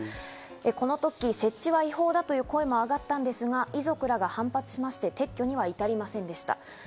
このとき設置は違法だという声もあがったんですが、遺族らが反発しまして、撤去には至りませんでした。